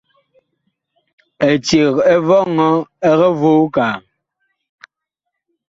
Eceg ɛ vɔŋɔ ɛg voo kaa.